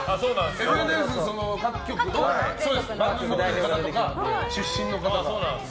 ＦＮＳ、各局の番組の方とか出身の方が。